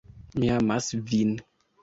"Mi amas vin."